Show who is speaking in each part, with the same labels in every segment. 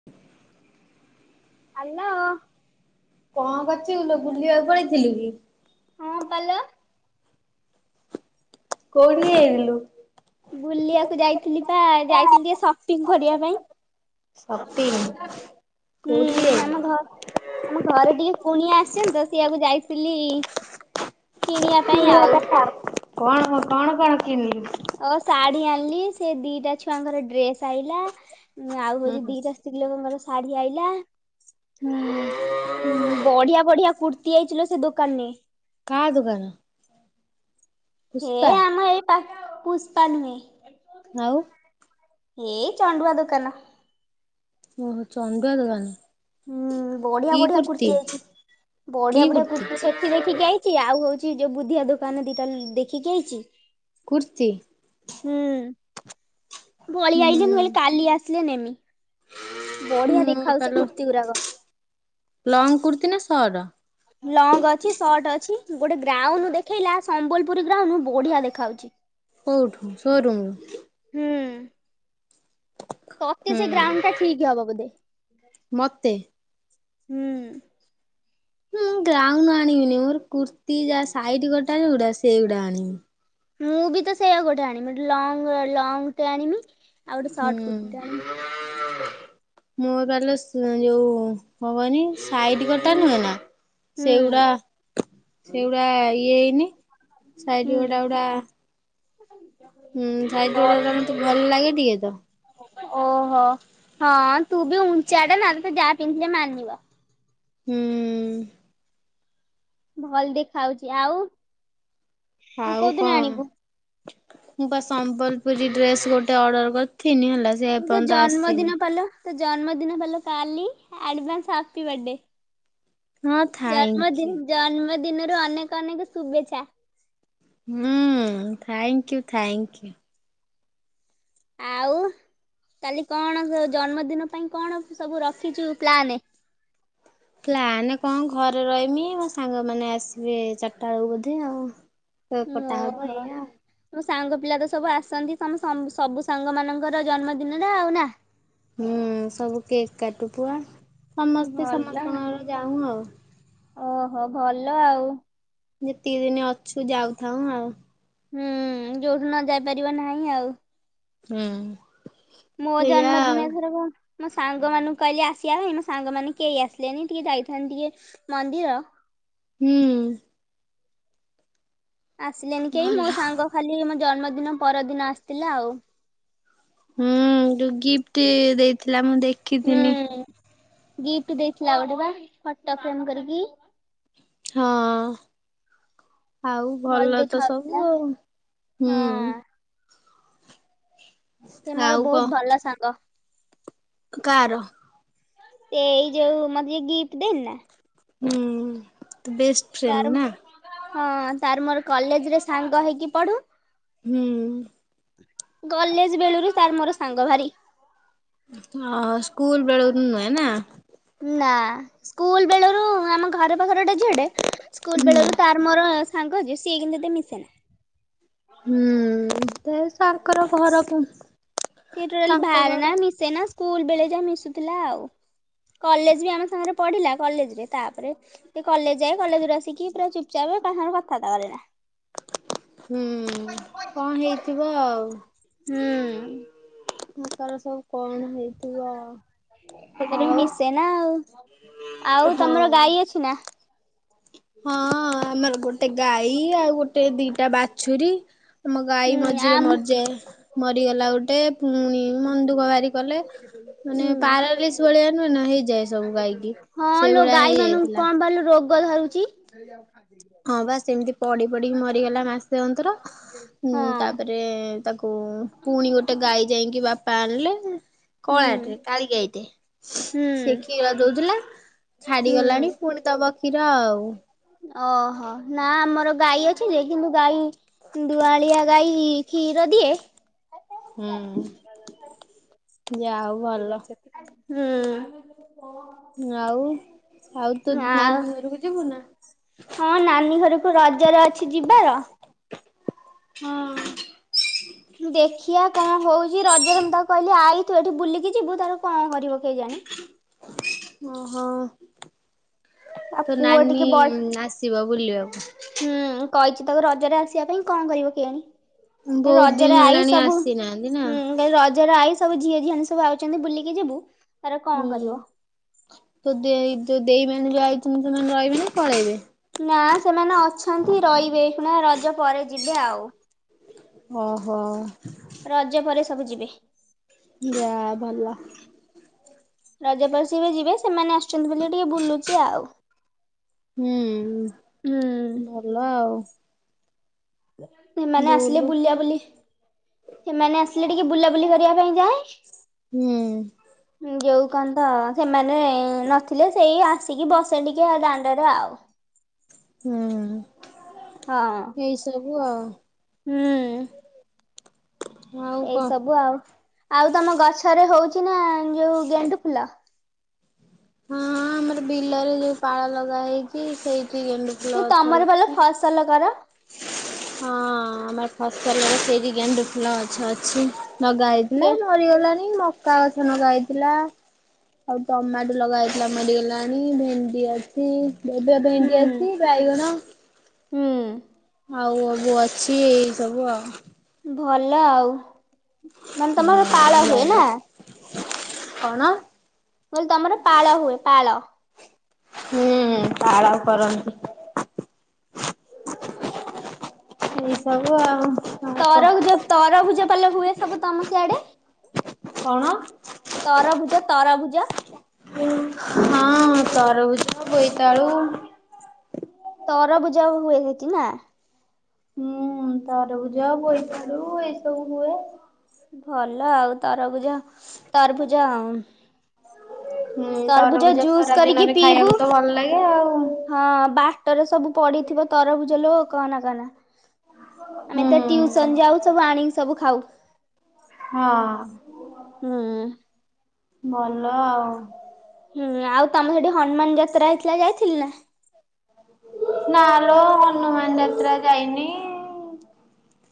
Speaker 1: [inaudible]
Speaker 2: Hello.
Speaker 1: କଣ କରୁଚୁ କିଲୋ ବୁଲିବାକୁ ପଳେଇଥିଲୁ କି?
Speaker 2: ହଁ ପା ଲ।
Speaker 1: କଉଠିକି ଯାଇଥିଲୁ?
Speaker 2: ବୁଲିବାକୁ ଯାଇଥିଲି ପା ଯାଇଥିଲି ଟିକେ ସପିଙ୍ଗ କରିବାରିବା ପାଇଁ। ହୁଁ
Speaker 1: ସପିଂ କୋଉଠିକି
Speaker 2: ଆମ
Speaker 1: ଯାଇଥିଲୁ?
Speaker 2: ଘ ଆମ ଘରେ ଟିକେ କୁଣିଆ ଆସିଛନ୍ତି ତ ସେଇଆକୁ ଯାଇଥିଲି କିଣିବା ପାଇଁ ଆଉ।
Speaker 1: [unintelligible] କଣ କଣ କିଣିଲୁ?
Speaker 2: ଅ ଶାଢୀ ଆଣିଲି ସେ ଦିଟା ଛୁଆଙ୍କର ଡ୍ରେସ୍ ଆଇିଲା ଆଉ
Speaker 1: ହୁଁ
Speaker 2: ହଉଛି
Speaker 1: ହୁଁ।
Speaker 2: ଦିଟା ସ୍ତ୍ରୀ ଲୋକଙ୍କର ଶାଢୀ ଆଇଲା ବଢିଆ ବଢିଆ କୁର୍ତ୍ ତିଆଇଚିଲୋ ସେ ଦୋକାନ ନେ
Speaker 1: କା ଦୋକାନ?
Speaker 2: ହେ
Speaker 1: ପୁଷ୍ପା
Speaker 2: ଆମ ଏ ପା ପୁଷ୍ପା ନୁହେଁ।
Speaker 1: ଆଉ?
Speaker 2: ଏଇ ଚଣ୍ଡୁଆ ଦୋକାନ।
Speaker 1: ଓହୋ ଚଣ୍ଡୁଆ ଦୋକାନ।
Speaker 2: ହୁଁ ବଢିଆ
Speaker 1: କି
Speaker 2: ବଢିଆ
Speaker 1: କୁର୍ତ୍ତି
Speaker 2: କୁର୍ତ୍ତିୀ ଅଇଛି
Speaker 1: କି
Speaker 2: ବଢିଆ ବଢିଆ
Speaker 1: କୁର୍ତ୍ତି
Speaker 2: କୁର୍ତ୍ତୀ ସେଠି ଦେଖିକି ଆଇ ଚି ଆଉ ହଉଚି ଯୋଉ ବୁଧିଆ ଦୋକାନ ଦିଟା ଲ ଦେଖିକି ଆଇଚି।
Speaker 1: କୁର୍ତି
Speaker 2: ହୁଁ ପଳି ଆଇଲିି ମୁଁ
Speaker 1: ହୁଁ।
Speaker 2: କହିଲି କାଲି ଆସିଲେ ନେମି। ବଢିଆ
Speaker 1: ମୁଁ
Speaker 2: ଦେଖାଉଛି ସେ
Speaker 1: ତାହେଲେ
Speaker 2: କୁର୍ତ୍ତିୀ ଗୁରାକ।
Speaker 1: ଲଙ୍ଗ କୁର୍ତ୍ତି ନା ସର୍ଟ
Speaker 2: ଲଙ୍ଗ ଅଛି ସର୍ଟ ଅଛି ଗୋଟେ ଗ୍ରାଉନୁ ଦେଖେଇଲା ସମ୍ବଲପୁରୀ ଗ୍ରାଉନୁ ବଢିଆ ଦେଖା ଯାଉଛି। [inaudible]
Speaker 1: କେଉଠୁ ଶୋ ରୁମ୍ ରୁ?
Speaker 2: ହୁଁ। ତତେ ସେ
Speaker 1: ହୁଁ
Speaker 2: ଗ୍ରାଉନ ଟା ଠିକ୍ ହବ ବୋଧେ
Speaker 1: ମତେ
Speaker 2: ହୁଁ।
Speaker 1: ମୁଁ ଗ୍ରାଉ ଆଣିବିନି ମୋର କୁର୍ତ୍ତୀ ଯା ସାଇଟ୍ କଟା ଯଉ ଗୁଡା ସେଇଗୁଡା ଆଣିମି।
Speaker 2: ମୁଁ ବି ତ ସେଇଆ ଗୋଟେ ଆଣିବି ଗୋଟେ ଲଙ୍ଗ ଲଙ୍ଗଟେ ଆଣିମି ଆଉ ଗୋଟେ
Speaker 1: ହୁଁ।
Speaker 2: ସର୍ଟ କୁର୍ତ୍ତୀଟେ ଆଣିବି
Speaker 1: ମୁଁ ପାଲୋ ସ୍ ଯୋଉ କଣ କହନି? ସାଇଟ୍ କଟା
Speaker 2: ହୁଁ
Speaker 1: ନୁହେଁ ନା ସେଇଗୁଡା ସେଉଡା ଇଏ ହେଇନି ସାଇଡ ଗୋଟା, ଗୋଟା। ହୁଁ ସାଇଟ ଉଡା
Speaker 2: ହୁଁ।
Speaker 1: ମତେ ଭଲ ଲାଗେ ଟିକେ ତ।
Speaker 2: ଓହୋ ହଁ ତୁ ବି ଉଞ୍ଚଟା ନା ଯାହା ପିନ୍ଧିଲେ ମାନିବା।
Speaker 1: ହୁଁ।
Speaker 2: ଭଲ୍ ଦେଖା ଆଉଚି ଆଉ। ତୁ
Speaker 1: ଆଉ
Speaker 2: କୋଉଦିନ
Speaker 1: କଅଁ।
Speaker 2: ଆଣିବୁ?
Speaker 1: ମୁଁ ବା ସମ୍ବଲପୁରୀ ଡ୍ରେସ ଗୋଟେ ଅର୍ଡର କରିଥିନି ହେଲା। ସେ
Speaker 2: ତୋ
Speaker 1: ଏପର୍ଯ୍ୟନ୍ତ ଆସିନି।
Speaker 2: ଜନ୍ମଦିନ ପାଲୋ ଜନ୍ମଦିନ ପା ଲୋ କାଲି ଆଡଭାନ୍ସ ହାପି ବାର୍ଥଡେ।
Speaker 1: ହଁ ଥାଇଙ୍କ୍ୟୁ
Speaker 2: ଜନ୍ମଦିନ୍‌ ଜନ୍ମଦିନରୁ ଅନେକ ଅନେକ ଶୁଭେଚ୍ଛା।
Speaker 1: ହୁଁ ଥ୍ୟାଙ୍କୟୁ ଥ୍ୟାଇଙ୍କି।
Speaker 2: ଆଉ କାଲି କଣ ଜନ୍ମଦିନ ପାଇଁ କଣ ସବୁ ରଖିଛୁ ପ୍ଲାନ।
Speaker 1: ପ୍ଲାନ୍ କଅଁ ଘରେ ରଇମି ମୋ ସାଙ୍ଗମାନେ ଆସିବେ ଚାରିଟା ବେଳକୁ ବୋଧେ ଆଉ। କେକ୍ କଟା ହବ
Speaker 2: ଓହୋ।
Speaker 1: ଏଇଆା ଆଉ।
Speaker 2: ମୋ ସାଙ୍ଗ ପିଲା ତ ସବୁ ଆସନ୍ତି ତମ ସବୁ ସାଙ୍ଗ ମାନଙ୍କର ଜନ୍ମଦିନରେ ଆଉ ନା।
Speaker 1: ହୁଁ ସବୁ କେକ୍ କାଟୁ ପୁଆ ସମସ୍ତେ
Speaker 2: ଭଲ
Speaker 1: ସମସ୍ତଙ୍କର ଯାଉ ଆଉ।
Speaker 2: ଓହୋ ଭଲ ଆଉ।
Speaker 1: ଯେତିକି ଦିନ ଅଛୁ ଯାଉଥାଉ ଆଉ।
Speaker 2: ହୁଁ ଯୋଉଦିନ ଯାଇ ପାରିବ ନାହିଁ ଆଉ।
Speaker 1: ହୁଁ।
Speaker 2: ମୋ
Speaker 1: ସେଇଆ ଆଉ
Speaker 2: ଜନ୍ମଦିନ ଏଥର କ ମୋ ସାଙ୍ଗମାନଙ୍କୁ କଇଲି ଆସିବା ପାଇଁ। ମୋ ସାଙ୍ଗମାନେ କେଇ ଆସିଲେନି ଟିକେ ଯାଇଥାନ୍ତି ଟିକେ ମନ୍ଦିର।
Speaker 1: ହୁଁ।
Speaker 2: ଆସିଲେନି କେଇ। ମୋ
Speaker 1: ଭଲ।
Speaker 2: ସାଙ୍ଗ ଖାଲି ମୋ ଜନ୍ମଦିନ ପରଦିନ ଆସିଥିଲା ଆଉ
Speaker 1: ହୁଁ ଯୋଉ ଗିଫ୍ଟ ଦେଇଥିଲା ମୁଁ
Speaker 2: ହୁଁ
Speaker 1: ଦେଖିଥିନି।
Speaker 2: ଗିଫ୍ଟ ଦେଇଥିଲା ଆଉ ଗୋଟେ ବା ଫଟୋ ଫ୍ରେମ କରିକି।
Speaker 1: ହଁ। ଆଉ ଭଲ ତ ସବୁ ଆଉ ହୁଁ।
Speaker 2: ହଁ ସେ ମୋର
Speaker 1: ଆଉ
Speaker 2: ବହୁତ ଭଲ ସାଙ୍ଗ।
Speaker 1: କା ର
Speaker 2: ଏଇ ଯୋଉ ମତେ ଗିଫ୍ଟ ଦେଇନି ନା
Speaker 1: ହୁଁ ଉଁ ବେସ୍‌
Speaker 2: ତାର ହୁଁ ହଁ ତାର ମୋର କଲେଜ ରେ ସାଙ୍ଗ ହେଇକି ପଢୁ।
Speaker 1: ହୁଁ।
Speaker 2: କଲେଜ ବେଳୁରୁ ତାର ମୋର ସାଙ୍ଗ ଭାରି।
Speaker 1: ହଁ ସ୍କୁଲ ବେଳରୁ ନୁହେଁ ନା।
Speaker 2: ନାଁ ସ୍କୁଲ ବେଳରୁ ଆମ ଘର ପାଖର ଗୋଟେ ଝିଅଟେ ସ୍କୁଲ ବେଳରୁ ତା ମୋର ସାଙ୍ଗ ଯେ ସିଏ କିନ୍ତୁ ଏତେ ମିଶେନା।
Speaker 1: ହୁଁ ସେ ସାରଙ୍କର ଘର କଅଁ।
Speaker 2: ସିଏ ଟୋଟାଲି ବାହାରେନା, ମିଶେନା ସ୍କୁଲ ବେଳେ ଯାହା ମିଶୁଥିଲା ଆଉ। କଲେଜ ବି ଆମ ସାଙ୍ଗରେ ପଢ଼ିଲା। କଲେଜରେ ତାପରେ ସେ କଲେଜ ଯାଏ କଲେଜରୁ ଆସିକି ପୁରା ଚୁପଚାପ୍ କାହା ସାଙ୍ଗରେ କଥାବାର୍ତ୍ତା କରେନା।
Speaker 1: ହୁଁ କଅଁ ହେଇଥିବ ଆଉ।
Speaker 2: ହୁଁ।
Speaker 1: ତାର ସବୁ କଣ ହେଇଥିବ?
Speaker 2: ସେ ଖାଲି
Speaker 1: ଆଉ
Speaker 2: ମିଶେ ନା ଆଉ। ଆଉ
Speaker 1: ହଁ
Speaker 2: ତମର ଗାଈ ଅଛି ନା?
Speaker 1: ହଁ ଆମର ଗୋଟେ ଗାଈ। ଆଉ ଗୋଟେ ଦିଟା ବାଛୁରୀ ଆମ ଗାଈ
Speaker 2: ହୁଁ
Speaker 1: ମଝିରେ
Speaker 2: ଆମ
Speaker 1: ମଜେ ମରିଗଲା ଗୋଟେ ପୁଣି ମନଦୁଃଖ ଭାରି କଲେ।
Speaker 2: ହୁଁ।
Speaker 1: ମାନେ ପାରାଲିସ୍ ଭଳିଆ ନୁହେଁ ନା ହେଇଯାଏ ସବୁ ଗାଈକି। ସେଇ ଭଳିଆ ହେଇଯାଇଥିଲା।
Speaker 2: ପୁଅ ଧରୁଚି।
Speaker 1: ହଁ ବା ସେମିତି ପଡ଼ି ପଡ଼ିକି ମରିଗଲା। ମାସେ ଅନ୍ତର
Speaker 2: ହଁ
Speaker 1: ତାପରେ ତାକୁ ପୁଣି ଗୋଟେ ଗାଈ ଯାଇକି ବାପା ଆଣିଲେ।
Speaker 2: ହୁଁ।
Speaker 1: କଳା ଟେ କାଳୀ ଗାଈଟେ
Speaker 2: ହୁଁ।
Speaker 1: ସେ କ୍ଷୀର ଦଉଥିଲା। ଛାଡିଗଲାଣି
Speaker 2: ହୁଁ
Speaker 1: ପୁଣି ଦବ କ୍ଷୀର ଆଉ।
Speaker 2: ଓହୋ ନା ଆମର ଗାଈ ଅଛି ଯେ କିନ୍ତୁ ଗାଈ ଦୁଆଳିଆ ଗାଈ କ୍ଷୀର ଦିଏ?
Speaker 1: ହୁଁ ଯା ହଉ। ଭଲ
Speaker 2: ହୁଁ।
Speaker 1: ଆଉ ଆଉ ତୋ ତ
Speaker 2: ଆଉ
Speaker 1: ନାନୀ ଘରକୁ ଯିବୁ ନା?
Speaker 2: ହଁ ନାନୀ ଘରକୁ ରଜରେ ଅଛି ଯିବାର।
Speaker 1: ହଁ।
Speaker 2: ଦେଖିଆ କଣ ହଉଛି ରଜରେ ମୁଁ ତାକୁ କହିଲି ଆଈ ତୁ ଏଠି ବୁଲିକି ଯିବୁ ତାର କଣ କରିବ କେଜାଣି?
Speaker 1: ଓହୋ
Speaker 2: ଆଉ
Speaker 1: ତ
Speaker 2: ପୁଅ
Speaker 1: ନାନୀ
Speaker 2: ଟିକେ ବଡ
Speaker 1: ଆସିବ ବୁଲିବାକୁ।
Speaker 2: ହୁଁ କହିଛି ତାକୁ ରଜରେ ଆସିବା ପାଇଁ କଣ କରିବ କେଜାଣି?
Speaker 1: ବହୁତ ଦିନ
Speaker 2: ରଜରେ ଆଇ
Speaker 1: ହେଲାଣି
Speaker 2: ସବୁ
Speaker 1: ଆସିନାହାନ୍ତି ନା?
Speaker 2: ହୁଁ ରଜରେ ଆଇ ଝିଅ ଝିଆନି ଆଉଛନ୍ତି ବୁଲିକି ଯିବୁ। ତାର କଣ
Speaker 1: ହୁଁ
Speaker 2: କରିବ।
Speaker 1: ତ ଦେଇ ଦେଇ ମାନେ ଯୋଉ ଆଇଛନ୍ତି। ସେମାନେ ରହିବେ ନା ପଳେଇବେ?
Speaker 2: ନା ସେମାନେ ଅଛନ୍ତି। ରହିବେ ହେଁଇ ଖିନା ରଜ ପରେ ଯିବେ ଆଉ।
Speaker 1: ଓହୋ।
Speaker 2: ରଜ ପରେ ସବୁ ଯିବେ।
Speaker 1: ଯା ଭଲ।
Speaker 2: ରଜପରେ ସେ ବି ଯିବେ ସେମାନେ ଆସୁଛନ୍ତି ବୋଲି ଟିକେ ବୁଲୁଛି ଆଉ।
Speaker 1: ହୁଁ
Speaker 2: ହୁଁ
Speaker 1: ଭଲ ଆଉ।
Speaker 2: ସେମାନେ ଆସିଲେ
Speaker 1: ବୁଲୁ
Speaker 2: ବୁଲା ବୁଲି ସେମାନେ ଆସିଲେ ଟିକେ ବୁଲାବୁଲି କରିବା ପାଇଁ ଯାଏ।
Speaker 1: ହୁଁ।
Speaker 2: ଯୋଉ କଣ ତ ସେମାନେ ନଥିଲେ ସେଇ ଆ। ଆସିକି ବସେ ଟିକେ ଆ ଦାଣ୍ଡରେ ଆଉ।
Speaker 1: ହୁଁ
Speaker 2: ହଁ
Speaker 1: ଏଇ ସବୁ ଆଉ।
Speaker 2: ହୁଁ।
Speaker 1: ଆଉ
Speaker 2: ଏଇ
Speaker 1: କଣ?
Speaker 2: ସବୁ ଆଉ ଆଉ ତମ ଗଛରେ ହଉଛି ନା ଯୋଉ ଗେଣ୍ଡୁ ଫୁଲ।
Speaker 1: ହୁଁ ଆମର ବିଲରେ ଯୋଉ ପାଳ ଲଗା ହେଇଛି ସେଇଠି ଗେଣ୍ଡୁ ଫୁଲ
Speaker 2: କି
Speaker 1: ଗଛ
Speaker 2: ତମର ଭଲ
Speaker 1: ଅଛି।
Speaker 2: ଫସଲ କର?
Speaker 1: ହଁ ଆମର ଫସଲ ରେ ସେଇଠି ଗେଣ୍ଡୁ ଫୁଲ ଗଛ ଅଛି ନଗା ହେଇ ନା
Speaker 2: ଗ
Speaker 1: ମରିଗଲାଣି ମ ମକା ଗଛ ଲଗା ହେଇଥିଲା ଆଉ ଟମାଟୋ ଲଗା ହେଇଥିଲା ମରିଗଲାଣି ଭେଣ୍ଡି ଅ ଛି ଏବେ
Speaker 2: ହୁଁ
Speaker 1: ଭେଣ୍ଡି ଅଛି ବାଇଗଣ
Speaker 2: ହୁଁ।
Speaker 1: ଆଉ ଅବୁ ଅଛି ଏଇ ସବୁ ଆଉ।
Speaker 2: ଭଲ ଆଉ। ମାନେ ତମର ପାଳ
Speaker 1: ହୁଁ
Speaker 2: ହୁଏ ନା ମୁଁ
Speaker 1: ୟା ୟା କଣ?
Speaker 2: ମୁଁ କହିଲି ତମର ପାଳ ହୁଏ ପାଳ।
Speaker 1: ହୁଁ ପାଳ କରନ୍ତି। ଏଇ ସବୁ ଆଉ କଣ କହ
Speaker 2: ତରଭୁଜ ତରଭୁଜ ପାଲ ହୁଏ ସବୁ ତମ ସିଆଡେ
Speaker 1: କଣ?
Speaker 2: ତରଭୁଜ ତରଭୁଜ।
Speaker 1: ହଁ ତରଭୁଜ ବୋଇତାଳୁ।
Speaker 2: ତରଭୁଜା ହୁଏ ସେଠି ନା।
Speaker 1: ହୁଁ ତରଭୁଜ ବୋଇତାଳୁ ଏଇ ସବୁ ହୁଏ।
Speaker 2: ଭଲ ଆଉ ତରଭୁଜ ତରଭୁଜ ଆଉ।
Speaker 1: ହୁଁ ତରଭୁଜା
Speaker 2: ଜୁସ୍
Speaker 1: ଖରା
Speaker 2: କରିକି
Speaker 1: ଦିନରେ
Speaker 2: ପିଇବୁ।
Speaker 1: ଖାଇବାକୁ ତ ଭଲ ଲାଗେ ଆଉ।
Speaker 2: ହଁ ବାଟରେ ସବୁ ପଡିଥିବ ତରଭୁଜ ଲୋ କହନା କହନା। ଆମେ
Speaker 1: ହୁଁ
Speaker 2: ତ ଟିଉସନ୍ ଯାଉ, ସବୁ ଆଣିକି ସବୁ ଖାଉ।
Speaker 1: ହଁ।
Speaker 2: ହୁଁ।
Speaker 1: ଭଲ ଆଉ।
Speaker 2: ହୁଁ ଆଉ ତମେ ସେଠି ହନୁମାନ୍ ଯାତ୍ରା ହେଇଥିଲା ଯାଇଥିଲୁ ନା।
Speaker 1: ନା ଲୋ ହନୁମାନ୍ ଯାତ୍ରା ଯାଇନି।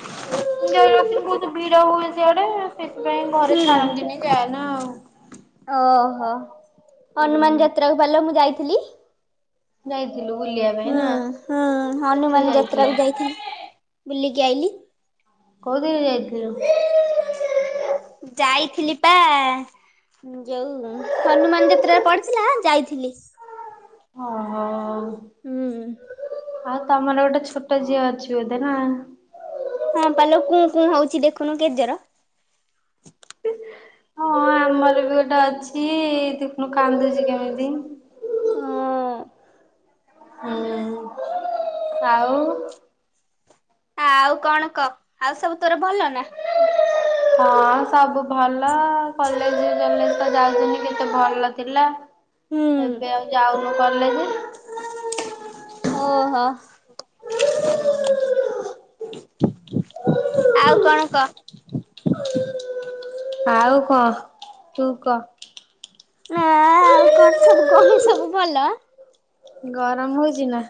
Speaker 1: [unintelligible] ବହୁତ୍ ଭିଡ ହୁଏ ସେଆଡେ, ସେଥିପାଇଁ ଘରେ
Speaker 2: ହୁଁ।
Speaker 1: ଛାଡନ୍ତିନି ଯାଏନା ଆଉ।
Speaker 2: ଓହୋ
Speaker 1: ହୁଁ
Speaker 2: ହନୁମାନ୍ ଯାତ୍ରାକୁ ପାରିଲ ମୁଁ ଯାଇଥିଲି।
Speaker 1: ଯାଇଥିଲୁ ବୁଲିବା ପାଇଁ ନା
Speaker 2: ହୁଁ-ହୁଁ
Speaker 1: କୋଉଥିରେ
Speaker 2: ହନୁମାନ୍ ଯାତ୍ରା
Speaker 1: ଯାଇଥିଲ
Speaker 2: କୁ ଯାଇଥିଲି। ବୁଲିକି ଆଇଲି।
Speaker 1: କୋଉଦିନ ଯାଇଥିଲୁ?
Speaker 2: ଯାଇଥିଲି ପା ଯୋଉ ହନୁମାନ୍ ଯାତ୍ରା ପଡିଥିଲା ଯାଇଥିଲି।
Speaker 1: ଓହୋ।
Speaker 2: ହୁଁ
Speaker 1: ତମର ଗୋଟେ ଛୋଟ ଝିଅ ଅଛି ବୋଧେ ନା?
Speaker 2: ହଁ ପା ଲୋ କୁଁ-କୁଁ ହଉଛି ଦେଖୁନୁ କେତଜୋର।
Speaker 1: ହଁ ଆମର ବି ଗୋଟେ ଅଛି, ଦେଖୁନୁ କାନ୍ଦୁଚି କେମିତି।
Speaker 2: ହଁ।
Speaker 1: ହୁଁ ଆଉ।
Speaker 2: ଆଉ କଣ କ, ଆଉ ସବୁ ତୋର ଭଲ ନା?
Speaker 1: ହଁ ସବୁ ଭଲ କଲେଜ୍ ଗଲେ ତ ଯାଉନି କେତେ ଭଲ ଥିଲା
Speaker 2: ହୁଁ।
Speaker 1: ଏବେ ଆଉ ଯାଉନୁ କଲେଜେ।
Speaker 2: ଓହୋ। ଆଉ କଣ କ।
Speaker 1: ଆଉ କଣ ତୁ କ।
Speaker 2: ନା ଆଉ କଣ ସବୁ [unintelligible] ସବୁ ଭଲ।
Speaker 1: ଗରମ୍ ହଉଚି ନା?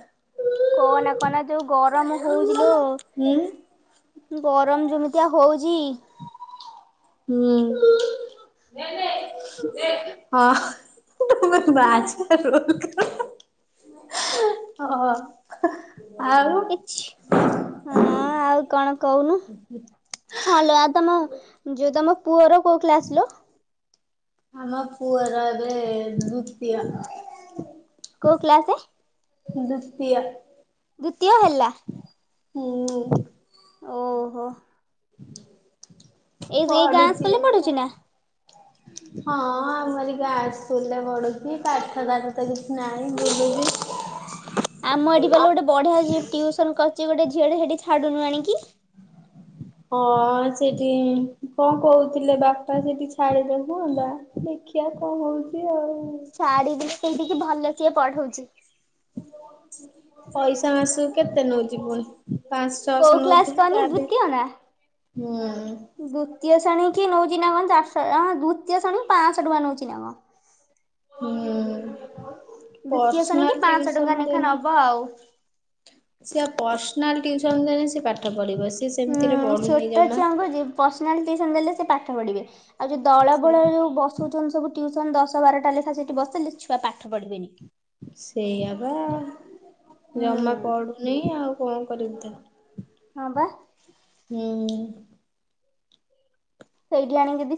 Speaker 2: କହନା-କହନା ଯୋଉ ଗରମ୍ ହଉଚି ଲୋ।
Speaker 1: ହୁଁ
Speaker 2: ଗରମ୍ ଯେମିତିଆ ହଉଚି।
Speaker 1: ହୁଁ ହଁ। [unintelligible] ମା ଛୁଆ ରୋଲ୍ କର ହଁ। ଆଉ
Speaker 2: ହଁ ଆଉ କଣ କଉନୁ। ହଁ ଲୋ ଆଉ ତମ ଯୋଉ ତମ ପୁଅର କୋଉ କ୍ଲାସ୍ ଲୋ?
Speaker 1: ଆମ ପୁଅ ର ଏବେ ଦୁତୀୟ।
Speaker 2: କୋଉ କ୍ଲାସେ?
Speaker 1: ଦୁତିୟ।
Speaker 2: ଦୁତୀୟ ହେଲା।
Speaker 1: ହୁଁ।
Speaker 2: ଓହୋ। ଏଇ ଏଇ ଗାଁ
Speaker 1: ପଢ଼ୁଛି
Speaker 2: ସ୍କୁଲରେ
Speaker 1: ଅବିକା।
Speaker 2: ପଢୁଛି ନା?
Speaker 1: ହଁ ଆମରି ଗାଁ ସ୍କୁଲ୍ ରେ ପଢ଼ୁଛି ପାଠ ସାଠ ତ କିଛି ନାହିଁ ବୁଲୁଚି।
Speaker 2: ଆମ ଏଠି [unintelligible] ଗୋଟେ ବଢିଆ ଟିଉସନ୍ କରୁଚି ଗୋଟେ ଝିଅଟେ ସେଠି ଛାଡୁନୁ ଆଣିକି।
Speaker 1: ହଁ ସେଠି କଣ କହୁଥିଲେ ବାପା ସେଠି [unintelligible] ହୁଅନ୍ତା। ଦେଖିଆ କଣ ହଉଛି ଆଉ।
Speaker 2: ଛାଡ଼ିବୁ ଲୋ ସେଇଠିକି ଭଲ ସିଏ ପଢଉଛି।
Speaker 1: ପଇସା ମାସକୁ କେତେ ନଉଚି ପୁଣି ପାଆଁସ ଛଅଶହ
Speaker 2: କୋଉ କ୍ଲାସ
Speaker 1: ନଉଥିବ
Speaker 2: କହନି
Speaker 1: ଯାହାବି ହେଲେ ହୁଁ।
Speaker 2: ଦୁତୀୟ ଶ୍ରେଣୀ କି ନଉଚି ନା କଣ ଚାରିଶହ ଆଁ ଦୁତୀୟ ଶ୍ରେଣୀ କି ପାଆଁସ ଟଙ୍କା ନଉଛି ନା କଣ।
Speaker 1: ହୁଁ
Speaker 2: ଦ୍ଵିତୀୟ ଶ୍ରେଣୀ କି
Speaker 1: ପର୍ସନାଲ
Speaker 2: ପାଞ୍ଚଶହ ଟଙ୍କା
Speaker 1: ଟିଉସନ୍
Speaker 2: ଲେଖା
Speaker 1: ଦେନେ
Speaker 2: ନବ ଆଉ।
Speaker 1: ସିଏ ପର୍ସନାଲ ଟିଉସନ ଦେନେ ସିଏ ପାଠ ପଢିବ ସିଏ
Speaker 2: ହୁଁ
Speaker 1: ସେମିତିରେ ପଢୁନି
Speaker 2: ଛୋଟୋ
Speaker 1: ଜମା।
Speaker 2: ଛୁଆଙ୍କୁ ଯି ପର୍ସନାଲ ଟିଉସନ ଦେଲେ ସେ ପାଠ ପଢିବେ ଆଉ ଯୋଉ ଦଳ
Speaker 1: ସେ
Speaker 2: ବଳ ହେଇ ଯୋଉ ବସ୍ ସୋଉଚନ୍ ସବୁ ଟିଉସନ ଦଶ ବାରଟା ଲେଖା ସେଠି ବସିଲେ ଛୁଆ ପାଠ ପଢିବେନି।
Speaker 1: ସେଇଆ ବା
Speaker 2: ହୁଁ
Speaker 1: ଜମା ପଡୁନି ଆଉ କଣ କରିବି ତାକୁ।
Speaker 2: ହଁ ବା।
Speaker 1: ହୁଁ।
Speaker 2: ସେଇଠି ଆଣିକି ଯଦି